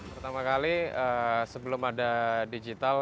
pertama kali sebelum ada digital